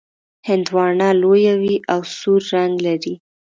هندواڼه لویه وي او سور رنګ لري.